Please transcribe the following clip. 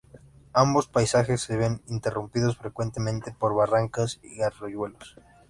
Ambos paisajes se ven interrumpidos frecuentemente por barrancas y arroyuelos.